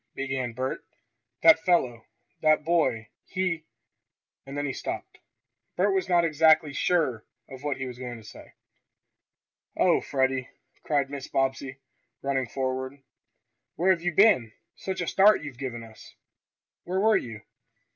began Bert. "That fellow that boy he " and then he stopped. Bert was not exactly sure of what he was going to say. "Oh, Freddie!" cried Mrs. Bobbsey, running forward. "Where have you been! Such a start as you've given us! Where were you?"